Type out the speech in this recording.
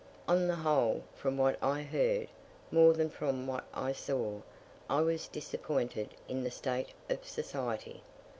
On the whole, from what I heard, more than from what I saw, I was disappointed in the state of society.